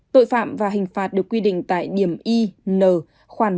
tội phạm và hình phạt được quy định tại điểm y n khoảng một